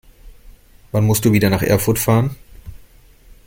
Wann musst du wieder nach Erfurt fahren?